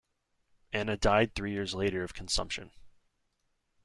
Anna died three years later of consumption.